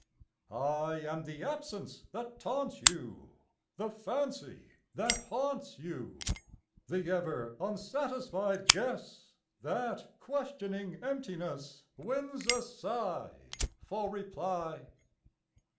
I am the absence that taunts you, The fancy that haunts you; The ever unsatisfied guess That, questioning emptiness, Wins a sigh for reply.